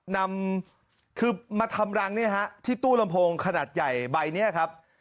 นำคือมาทำรังเนี่ยฮะที่ตู้ลำโพงขนาดใหญ่ใบนี้ครับ